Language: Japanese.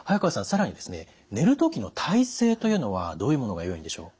更にですね寝る時の体勢というのはどういうものがよいんでしょう？